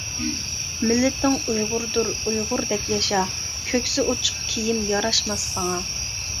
مىللىتىڭ ئۇيغۇردۇر ئۇيغۇردەك ياشا، كۆكسى ئۇچۇق كىيىم ياراشماس ساڭا.